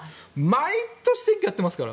毎年、選挙やってますから。